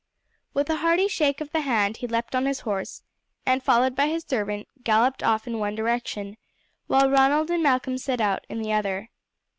With a hearty shake of the hand he leapt on his horse, and, followed by his servant, galloped off in one direction, while Ronald and Malcolm set out in the other.